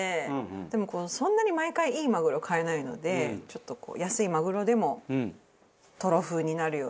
でもそんなに毎回いいマグロ買えないのでちょっと安いマグロでもトロ風になるように工夫して。